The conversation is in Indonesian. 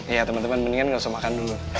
ya temen temen mendingan gak usah makan dulu